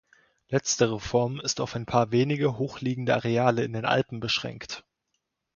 Letztere Form ist auf ein paar wenige hochliegende Areale in den Alpen beschränkt.